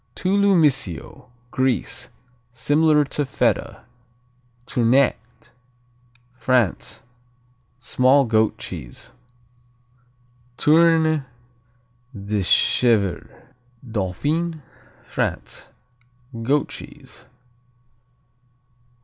Touloumisio Greece Similar to Feta. Tournette France Small goat cheese. Tourne de chèvre Dauphiné, France Goat cheese.